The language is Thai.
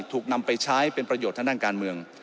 ถูกนำไปใช้เป็นประโยชน์ทางด้านการเมือง